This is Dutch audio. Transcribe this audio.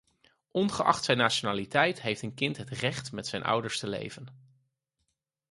Ongeacht zijn nationaliteit heeft een kind het recht met zijn ouders te leven.